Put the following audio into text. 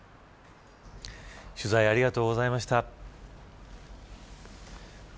取材ありがとうございました。